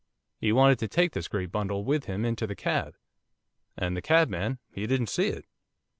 He wanted to take this great bundle with him into the cab, and the cabman, he didn't see it.